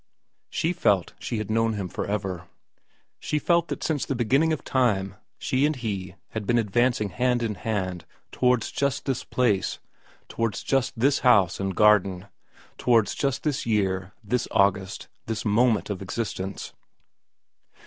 She felt she had known him for ever. She felt that since the beginning of time she and he had been advancing hand in hand towards just this place, towards just this house and garden, towards just this year, this August, this moment of existence.